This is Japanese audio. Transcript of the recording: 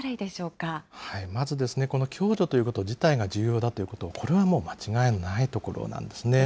まず、この共助ということ自体が重要だということ、これはもう間違いないところなんですね。